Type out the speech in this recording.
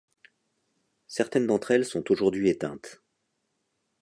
Certaines d'entre elles sont aujourd'hui éteintes.